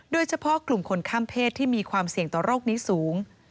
โดยเฉพาะกลุ่มคนข้ามเพศที่มีความเสี่ยงต่อโรคนี้สูง